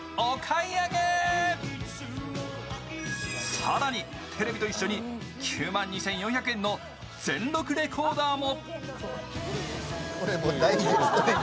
更に、テレビと一緒に９万２４００円の全録レコーダーも。